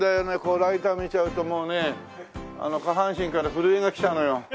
ライター見ちゃうともうね下半身から震えが来ちゃうのよ。